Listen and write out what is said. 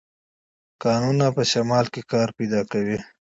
کانونه په شمال کې کار پیدا کوي.